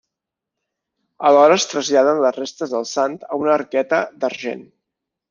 Alhora es traslladen les restes del sant a una arqueta d'argent.